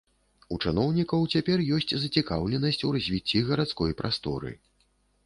У чыноўнікаў цяпер ёсць зацікаўленасць у развіцці гарадской прасторы.